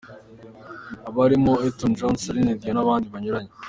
Abo barimo Elton John, Celine Dion n’abandi banyuranye.